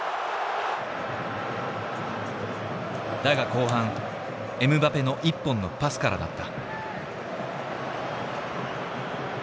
だが後半エムバペの１本のパスからだった。